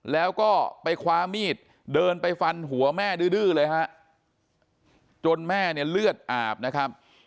แล้วก็ไปคว้ามีดเดินไปฟันหัวแม่ดื้อเลยฮะจนแม่เนี่ยเลือดอาบนะครับ